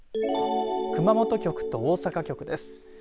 熊本局と大阪局です。